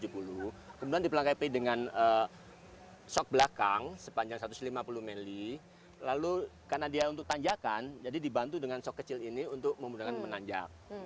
kemudian dipelangkapi dengan sok belakang sepanjang satu ratus lima puluh ml lalu karena dia untuk tanjakan jadi dibantu dengan sok kecil ini untuk menggunakan menanjak